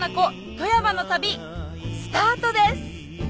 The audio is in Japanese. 富山の旅スタートです